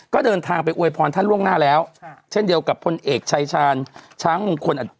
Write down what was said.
ก็เดินทางไปอวยพรท่านล่วงหน้าแล้วเช่นเดียวกับพลเอกชายชาญช้างมงคล